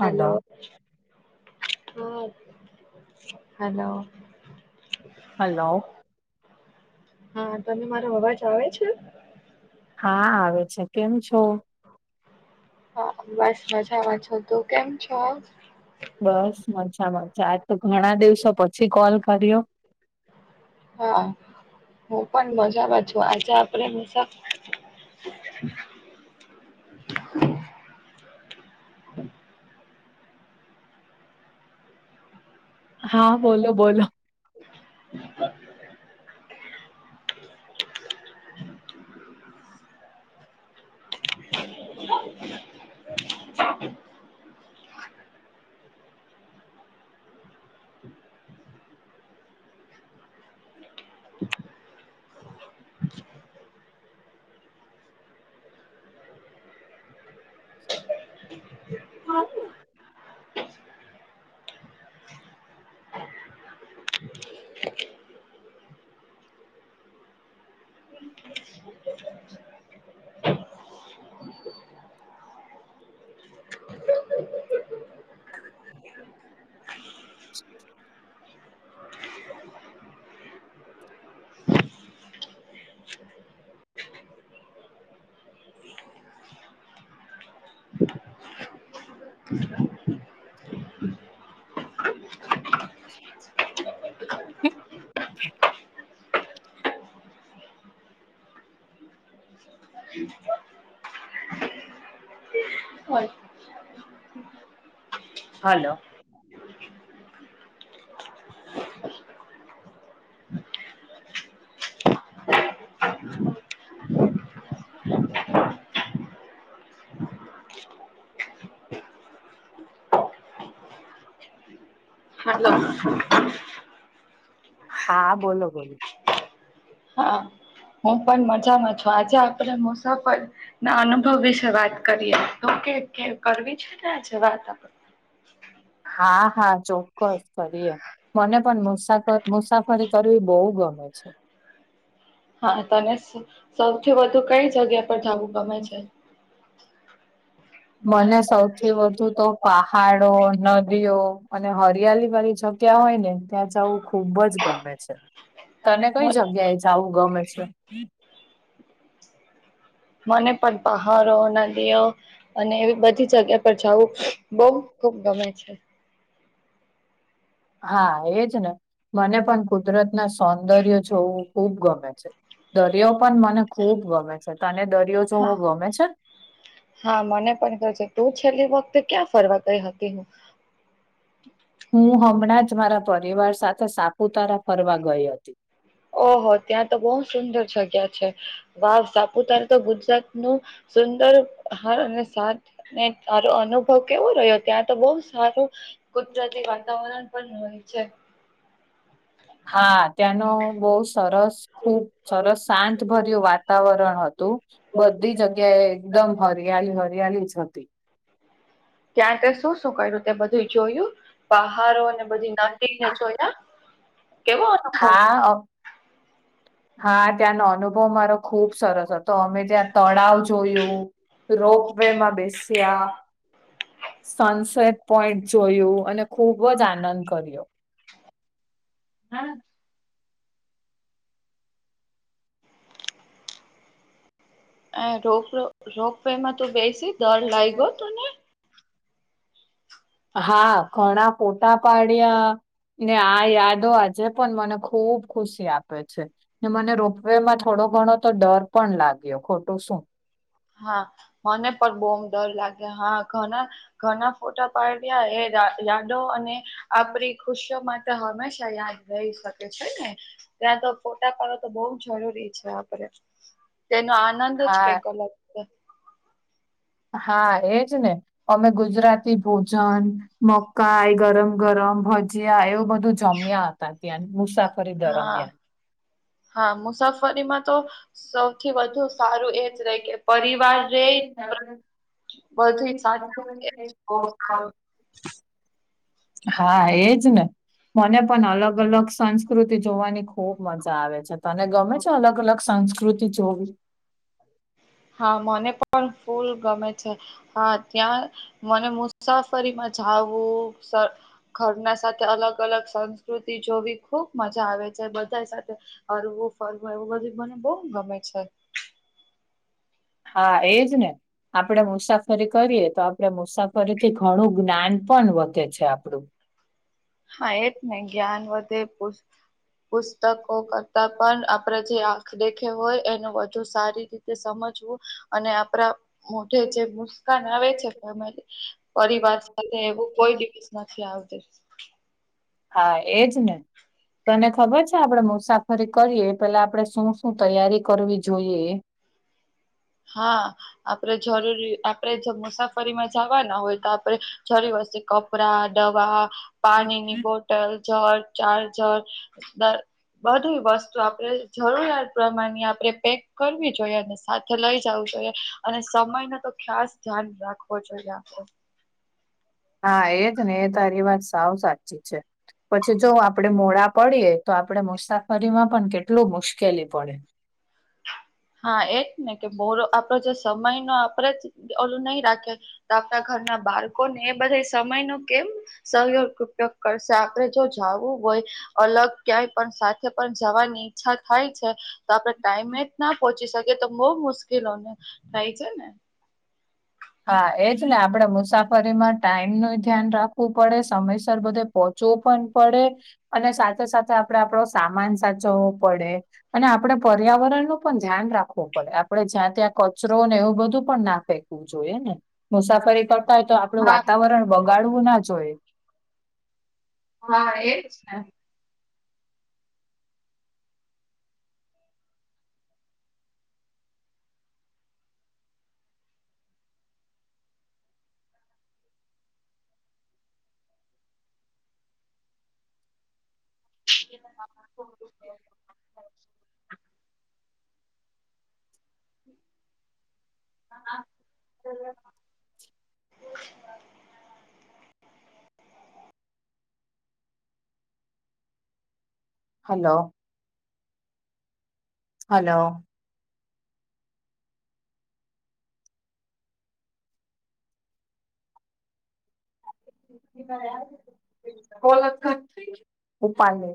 Hello. હ, hello. Hello. હા, તમને મારો અવાજ આવે છે? હા, આવે છે. કેમ છો? હા, બસ મજામાં છુ તું કેમ છો? બસ મજા મજા, આજ તો ઘણા દિવસો પછી કોલ કર્યો. હા, હું પણ મજામાં છું આજે આપડે મુસા [inaudible] હા, બોલો બોલો. [inaudible] [inaudible] [inaudible] હા, ના. [inaudible] [inaudible] હ. હોય‌. હલો હોય. મતલબ. હા, બોલો બોલો. હા, હું પણ મજામાં છું આજે આપડે મુસાફર ના અનુભવ વિશે વાત કરીએ તો કે કરવી છે ને આજે વાત આપણે? હા હા, ચોક્કસ કરીએ મને પણ મુસાફર મુસાફરી કરવી બો ગમે છે. હા, તને સૌથી વધુ કઈ જગ્યા પર જવું ગમે છે? મને સૌથી વધુ તો પહાડો, નદીઓ, અને હરિયાલી વાલી જગ્ ગ્યા હોય ને ત્યાં જવું ખુબ જ ગમે છે. તને કઈ જગ્યા એ જાવું ગમે છે? મને પણ પહાડો, નદીઓ અને એવી બ જગ્યા પર જાવું બો ખુબ ગમે છે. હા, એજને મને પણ કુદરતના સૌંદર્ય જોવું ખુબ ગમે છે. દરિયો પણ મને ખુબ ગમે છે તને દરિયો જોવો હા. ગમે છે? હા, મને પણ કે છે તું છેલ્લી વખતે ક્યાં ફરવા ગઈ હતી હું? હું હમણાં જ મારા પરિવાર સાથે સાપુતારા ફરવા ગઈ હતી ઓહો ત્યાં તો બો સુંદર જગ્યા છે. વાવ સાપુતારા તો ગુજરાત નું સુંદર હાર અને સાથને તારો અનુભવ કેવો રહ્યો ત્યાં તો બોવ સારું કુદરતી વાતાવરણ પણ હોય છે. હા ત્યાંનો બો સરસ ખુબ સરસ શાંતભર્યું વાતાવરણ હતું બધી જગ્યા એ એકદમ હરિયાળી હરિયાળી જ હતી ત્યાં તે શું શું કર્યું? એ બધું જોયું પહારો અને બધી નાદીને જોયા કેવો અનુભવ હા અ હા ત્યાંનો અનુભવ મારો ખુબ સરસ હતો અમે ત્યાં તળાવ જોયું રોપ વે માં બેસ્યા સનસેટ પોઈન્ટ જોયું અને ખુબ જ આનંદ કર્યો. હા. અ રોપવે રોપવેેમાં તો બેસી ડર લાગ્યો તને? હા ધણા ફોટા પાડ્યા ને આ યાદો આજે પણ મને ખુબ ખુશી આપે છે. ને મને રોપવેમાં થોડો ઘણો તો ડર પણ લાગ્યો ખોટુ શું હા મને પણ બો ડર લાગે હા ઘણા ઘણા ફોટા પાડ્યા એ યા યાદો અને આપણી ખુશીઓ માટે હમે [unintelligible] રઈ શકે છે, ને ત્યાં તો ફોટા પાડો તો બો જરૂરી છે, આપણે તેનો આનંદ જ હા કંઈક અલગ [unintelligible] હા એજ ને અમે ગુજરાતી ભોજન મકાઈ ગરમ ગરમ ભ જીયા એવું બધું જમ્યા હતા ત્યાં મુસાફરી હા દરમ્યાન હા મુસાફરીમાં તો સ પરિવાર રે રેય ને બધું સાથે આપણે મળે એ જ બહુ સારું [inaudible] હા એજ ને મને પણ અલગ અલગ સંસ્કૃતિ જોવાની ખુબ મજા આવે છે, તને ગમે? અલગ અલગ સંસ્કૃતિ જોવી? હા મને પણ ફૂલ ગમે છે. હા ત્યાં મને મુસાફરીમાં જાવું સ ઘરના સાથે અલગ અલગ સંસ્કૃતિ જોવી ખુબ મજા આવે છે, બધા સાથે હરવું ફરવું એવું બધું મને બો ગમે છે. હા એજ ને આપડે મુસાફરી કરીએ તો આપડે મુસાફરીથી ઘણું જ્ઞાન પણ વધે છે, આપડું હા એ જ ને જ્ઞાન વધે પો હા પુસ્તકો કરતા પણ આપણેે જે આંખ દેખે હોય એનું વધુ સારી રી તે સમજવું અને આપણા મોઢે જે મુસ્કાન આવે છે. [unintelligible] પરિવાર સાથે એવું કોઈ દિવસ નથી આવતી હા એજ ને તને ખબર છે, આપડે મુસાફરી કરીએ પેલા આપણે શું શું તૈયારી કરવી જોઈએ? હા. આપણેે જરૂરી આપડે જો મુસાફરીમાં જાવાના હોય તો આપડે જરી વસી કપડા, દવા, પાણીની બોટલ, [unintelligible] ચાર્જર, દ બધી વસ્તુ આપણેે જરૂરિયાત પ્રમાણ આપણે પેક કરવી જોઈએ અને સા થે લઈ જાવું જોઈએ અને સમયનુ તો ખાસ ધ્યાન રાખવો જોઈએ આપડે હા એજ ને એ તારી વાત સાવ સા ઠીક છે. પછી જો, આપડે મોડા પડીએ તો આપડે મુસાફરીમાં પણ કેટલુ મુશ્કેલી પડે હા એજ ને કે બોલો આપડો જે સમય નો આપડે જ ઓલુ નહી રાખીએ તો આપણા ઘરના બાળકો ને એ બધા સમય નૂ કેમ સહયોગ ઉપયોગ કરશે આપણે જો જાવુ હોય, અલગ ક્યાંય પણ સાથે પણ જવાની ઈચ્છા થાય છે તો આપડે ટાઈમે જ ના પહોચી શકે તો બહુ મુશ્કેલોને થાય છેને. હા, એ જ આપડે મુસાફરીમા ટાઈમનુ ધ્યાન રાખવું પડે સમયસર બધે પહોચવુ પણ પડે અને સાથે સાથે આપડે આપડો સામાન સાચવવો પડે અને આપણે પર્યાવરણનુ પણ ધ્યાન રાખવું પડે આપડે જ્યા ત્યા કચરો ને એવુ બધુ પણ ના ફેકવુ જોઈએ, ને મુસાફરી કરતા હોય તો આપણું હા વાતાવરણ વગાડવું ના જોઈએ. હા એ ને એ હ હલો હલો કોલ ઉપપાને